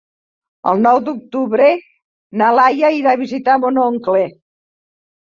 El nou d'octubre na Laia irà a visitar mon oncle.